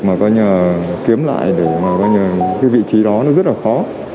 mà có nhờ kiếm lại cái vị trí đó nó rất là khó